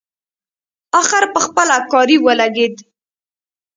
اخر پخپله کاري ولګېد.